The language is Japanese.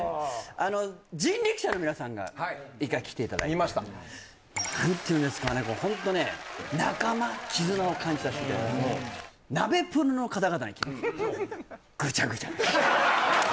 あの人力舎の皆さんが一回来ていただいて何ていうんですかねこれホントね仲間絆を感じさせていただいてナベプロの方々に来ていただきました